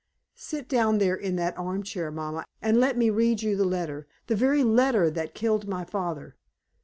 Sit down there in that arm chair, mamma, and let me read you the letter, the very letter that killed my father.